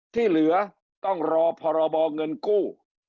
ที่เหลือต้องรอพรบเงินกู้